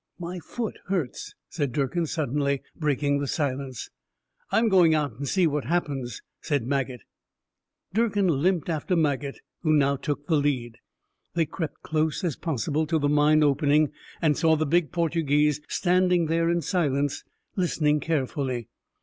"My foot hurts," said Durkin suddenly, breaking the silence. "I'm going out and see what happens," said Maget. Durkin limped after Maget, who now took the lead. They crept close as possible to the mine opening, and saw the big Portuguese standing there in silence, listening carefully.